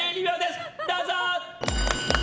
どうぞ！